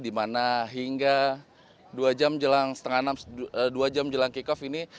di mana hingga dua jam jelang kick off ini